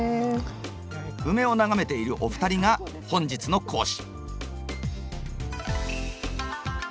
ウメを眺めているお二人が本日の講師。